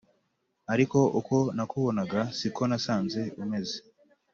ariko uko nakubonaga si ko nasanze umeze